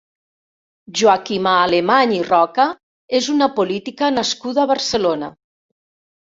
Joaquima Alemany i Roca és una política nascuda a Barcelona.